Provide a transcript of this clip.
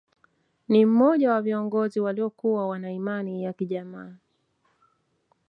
Ni mmoja wa viongozi waliokua wana Imani ya kijamaa